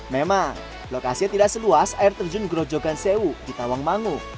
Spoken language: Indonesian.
memang lokasi yang tidak seluas air terjun gorojogan sewu di tawangmangu